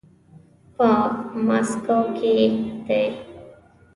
په ماسکو کې دی.